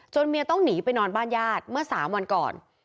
เมียต้องหนีไปนอนบ้านญาติเมื่อ๓วันก่อน